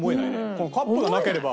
このカップがなければ。